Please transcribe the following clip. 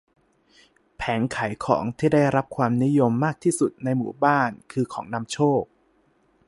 แผงขายของที่ได้รับความนิยมมากที่สุดในหมู่บ้านคือของนำโชค